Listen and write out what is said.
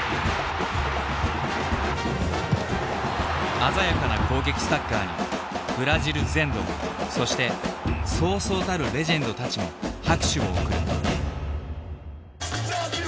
鮮やかな攻撃サッカーにブラジル全土そしてそうそうたるレジェンドたちも拍手を送る。